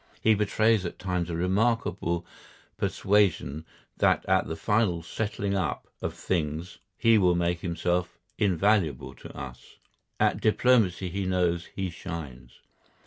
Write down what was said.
He betrays at times a remarkable persuasion that at the final settling up of things he will make himself invaluable to us. At diplomacy he knows he shines.